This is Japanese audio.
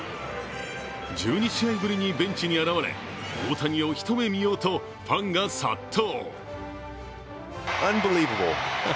１２試合ぶりにベンチに現れ大谷をひと目見ようとファンが殺到。